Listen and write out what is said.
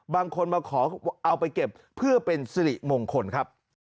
บางคนมาขอเอาไปเก็บเพื่อเป็นสิริมงคลครับ